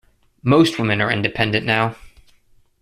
Most women are independent now.